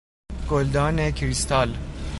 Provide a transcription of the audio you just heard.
گلدان کریستال